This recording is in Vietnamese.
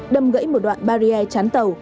đâm gãy một đoạn barrier chán tàu